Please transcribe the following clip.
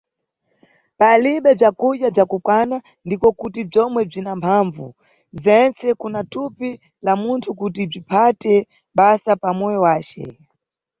Palibe bzakudya bzakukwana ndiko kuti bzomwe bzina mphambvu zentse kuna thupi la munthu kuti bziphate basa pa moyo wace.